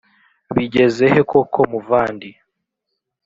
bigeze he koko muvandi